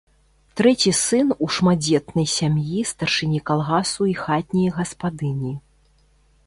Трэці сын у шматдзетнай сям'і старшыні калгасу і хатняй гаспадыні.